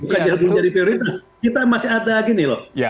bukan belum jadi prioritas kita masih ada gini loh